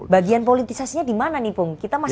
bagian politisasinya di mana nih pung kita masih belum